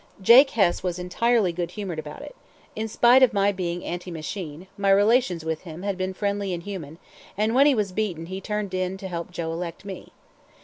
Jake Hess was entirely good humored about it. In spite of my being anti machine, my relations with him had been friendly and human, and when he was beaten he turned in to help Joe elect me.